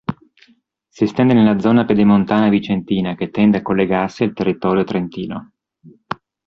Si estende nella zona pedemontana vicentina che tende a collegarsi al territorio trentino.